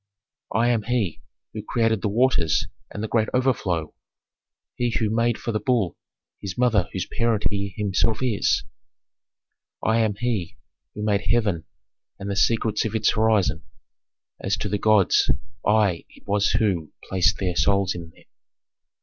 Chorus II. "I am He who created the waters and the great overflow, He who made for the bull his mother whose parent he himself is." Chorus I. "I am He who made heaven and the secrets of its horizon; as to the gods I it was who placed their souls in them."